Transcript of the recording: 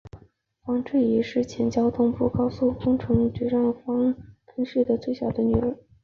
方智怡是前交通部高速公路工程局局长方恩绪的最小的女儿。